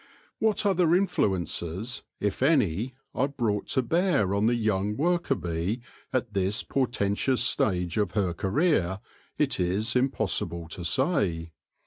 What other influences, if any, are brought to bear on the young worker bee at this portentous stage of her career, it is impossible to say.